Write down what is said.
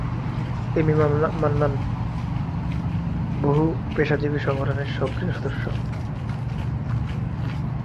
M A Mannan বহু পেশাজীবী সংগঠনের সক্রিয় সদস্য।